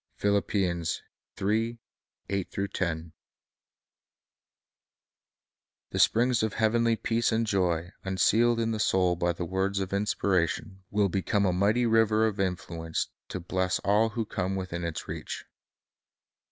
2 The springs of heavenly peace and joy unsealed in the soul by the words of Inspiration will become a mighty river of influence to bless all who come within its reach.